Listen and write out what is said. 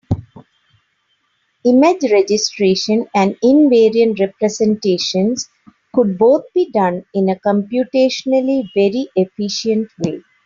Image registration and invariant representations could both be done in a computationally very efficient way.